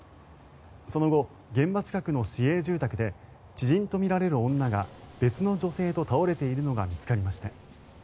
その後、現場近くの市営住宅で知人とみられる女が別の女性と倒れているのが見つかりました。